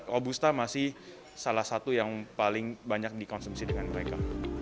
robusta masih salah satu yang paling banyak dikonsumsi dengan mereka